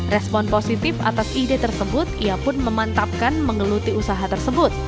respon positif atas ide tersebut ia pun memantapkan mengeluti usaha tersebut